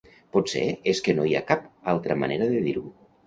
Potser és que no hi ha cap altra manera de dir-ho.